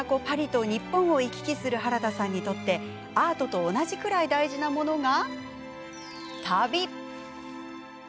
パリと日本を行き来する原田さんにとってアートと同じくらい大事なものが旅！